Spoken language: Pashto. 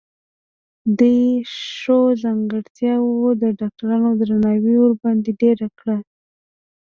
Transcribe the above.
دې ښو ځانګرتياوو د ډاکټرانو درناوی ورباندې ډېر کړ.